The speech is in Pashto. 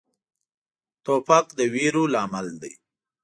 توپک د ویرو لامل دی.